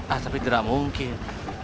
ah tapi tidak mungkin